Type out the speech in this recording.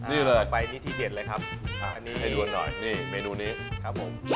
นี่เลยไปนี่ที่เด็ดเลยครับอันนี้ให้ล้วนหน่อยนี่เมนูนี้ครับผม